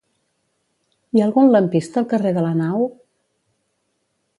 Hi ha algun lampista al carrer de la Nau?